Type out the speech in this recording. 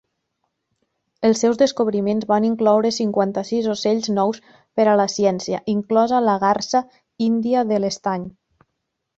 Els seus descobriments van incloure cinquanta-sis ocells nous per a la ciència, inclosa la garsa índia de l'estany.